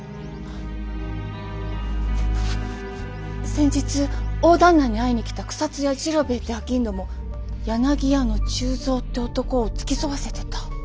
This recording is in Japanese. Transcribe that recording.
先日大旦那に会いに来た草津屋治郎兵衛って商人も柳屋の忠蔵って男を付き添わせてた。